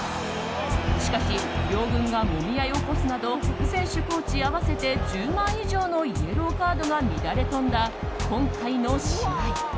しかし、両軍がもみ合いを起こすなど選手コーチ合わせて１０枚以上のイエローカードが乱れ飛んだ今回の試合。